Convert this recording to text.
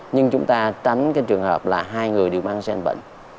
nhưng chúng ta tránh cái trường hợp là hai người đều mang gen bệnh